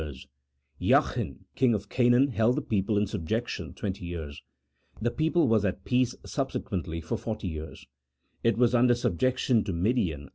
80 Jachin, King of Canaan, held the people in sub jection 20 The people was at peace subsequently for .. 40 It was under subjection to Midian